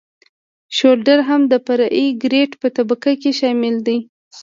شولډر هم د فرعي ګریډ په طبقه کې شامل دی